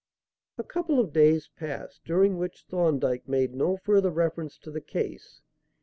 A couple of days passed, during which Thorndyke made no further reference to the case.